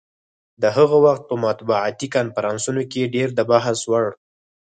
د هغه وخت په مطبوعاتي کنفرانسونو کې ډېر د بحث وړ.